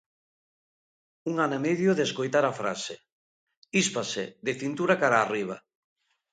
Un ano e medio de escoitar a frase: Íspase, de cintura cara arriba.